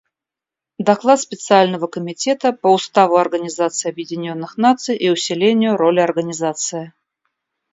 Доклад Специального комитета по Уставу Организации Объединенных Наций и усилению роли Организации.